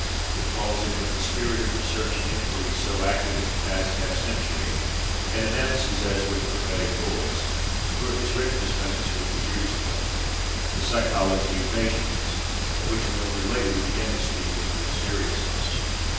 It falls in with the spirit of research and inquiry so active in the past half century, and announces as with prophetic voice for it was written as much as fifty years ago the psychology of nations, of which we only lately begin to speak with real seriousness.